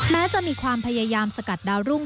แม้จะมีความพยายามสกัดดาวรุ่ง